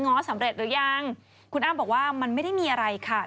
้อสำเร็จหรือยังคุณอ้ำบอกว่ามันไม่ได้มีอะไรค่ะ